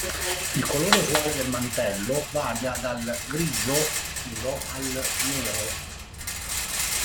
Il colore usuale del mantello varia dal grigio scuro al nero.